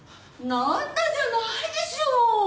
なんだじゃないでしょ！